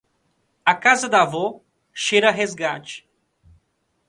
A casa da avó cheira a resgate.